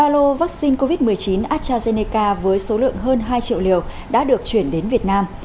ba lô vaccine covid một mươi chín astrazeneca với số lượng hơn hai triệu liều đã được chuyển đến việt nam